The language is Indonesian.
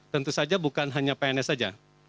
tentu saja bukan hanya pns saja